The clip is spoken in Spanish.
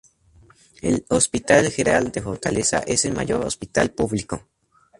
El "Hospital Geral de Fortaleza" es el mayor hospital público.